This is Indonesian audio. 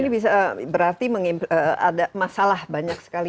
berarti ada masalah banyak sekali